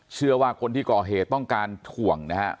เชื่อว่าคนที่ก่อเหตุต้องการถ่วงนะฮะ